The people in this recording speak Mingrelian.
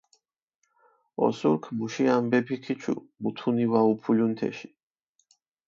ოსურქ მუში ამბეფი ქიჩუ, მუთუნი ვაუფულუნ თეში.